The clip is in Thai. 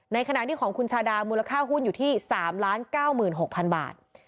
ในขณะที่ของคุณชาดามูลค่าหุ้นอยู่ที่๓๙๖๐๐๐บาท